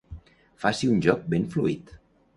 Faci un joc ben fluid.